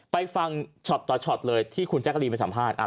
ไปฟังช็อตต่อช็อตเลยที่คุณแจ๊กรีนไปสัมภาษณ์